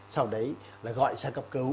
sau đấy là gọi sang cấp cứu